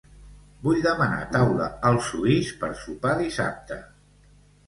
Vull demanar taula al Suís per sopar dissabte.